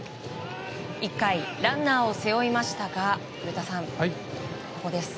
１回、ランナーを背負いましたが古田さん、ここです。